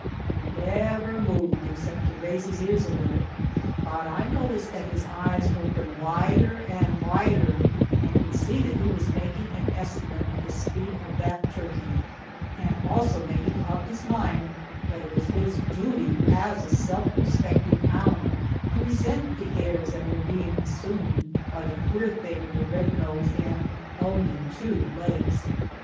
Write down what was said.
He never moved, except to raise his ears a little, but I noticed that his eyes opened wider and wider, and could see that he was making an estimate of the speed of that turkey, and also making up his mind that it was his duty as a self respecting hound to resent the airs that were being assumed by the queer thing with a red nose and only two legs.